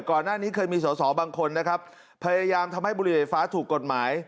ก่อนหน้านี้เคยมีสอสอบางคนนะครับพยายามทำให้บุหรี่ไฟฟ้าถูกกฎหมาย